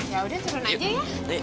yaudah turun aja ya